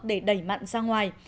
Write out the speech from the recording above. để đẩy mặn sang ngoài